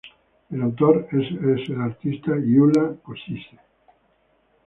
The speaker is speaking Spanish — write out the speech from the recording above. El autor es el artista Gyula Kosice.